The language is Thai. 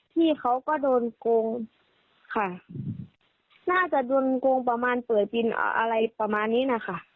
พี่เขาก็โดนโกงค่ะน่าจะโดนโกงประมาณเปิดบินอะไรประมาณนี้นะคะ